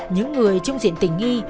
những người trung diện tình nghi